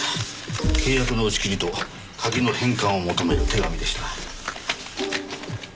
契約の打ち切りと鍵の返還を求める手紙でした。